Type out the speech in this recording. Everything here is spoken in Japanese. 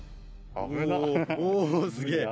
おすげえ。